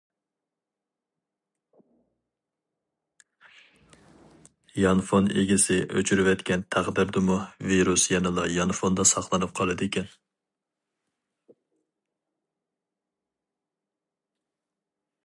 يانفون ئىگىسى ئۆچۈرۈۋەتكەن تەقدىردىمۇ ۋىرۇس يەنىلا يانفوندا ساقلىنىپ قالىدىكەن.